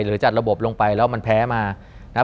หรือจัดระบบลงไปแล้วมันแพ้มา